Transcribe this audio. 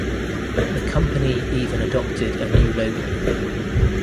The company even adopted a new logo.